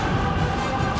ini mah aneh